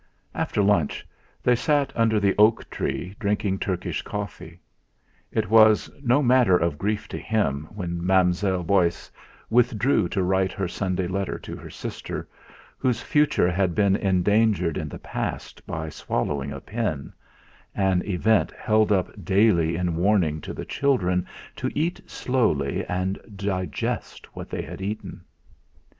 After lunch they sat under the oak tree drinking Turkish coffee. It was no matter of grief to him when Mademoiselle Beauce withdrew to write her Sunday letter to her sister, whose future had been endangered in the past by swallowing a pin an event held up daily in warning to the children to eat slowly and digest what they had eaten.